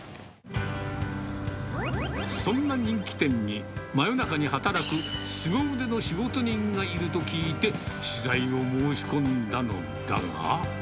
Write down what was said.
そんな人気店に、真夜中に働くすご腕の仕事人がいると聞いて、取材を申し込んだのだが。